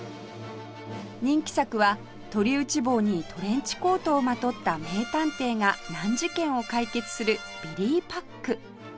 人気作は鳥打帽にトレンチコートをまとった名探偵が難事件を解決する『ビリーパック』